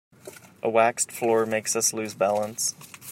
A waxed floor makes us lose balance.